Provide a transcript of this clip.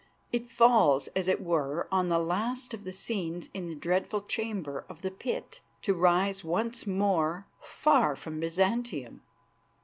It falls, as it were, on the last of the scenes in the dreadful chamber of the pit, to rise once more far from Byzantium.